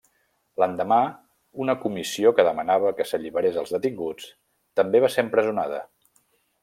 L'endemà una comissió que demanava que s'alliberés els detinguts, també va ser empresonada.